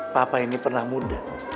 papa ini pernah muda